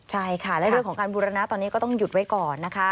ใช่ค่ะและเรื่องของการบูรณะตอนนี้ก็ต้องหยุดไว้ก่อนนะคะ